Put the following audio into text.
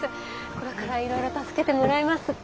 これからいろいろ助けてもらいますって。